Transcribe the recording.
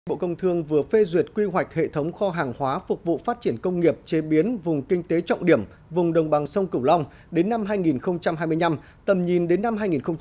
bộ công thương vừa phê duyệt quy hoạch hệ thống kho hàng hóa phục vụ phát triển công nghiệp chế biến vùng kinh tế trọng điểm vùng đồng bằng sông cửu long đến năm hai nghìn hai mươi năm tầm nhìn đến năm hai nghìn ba mươi